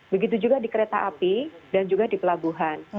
begitu juga di kereta api dan juga di pelabuhan